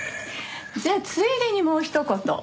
じゃあついでにもうひと言。